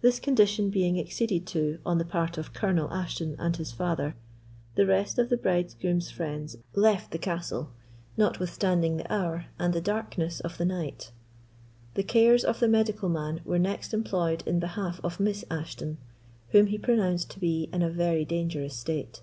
This condition being acceded to on the part of Colonel Ashton and his father, the rest of the bridegroom's friends left the castle, notwithstanding the hour and the darkness of the night. The cares of the medical man were next employed in behalf of Miss Ashton, whom he pronounced to be in a very dangerous state.